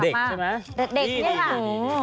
เด็กนี่ค่ะ